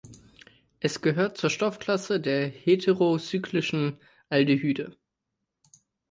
Es gehört zur Stoffklasse der heterocyclischen Aldehyde.